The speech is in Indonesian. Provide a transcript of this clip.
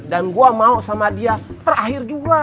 dan gue mau sama dia terakhir juga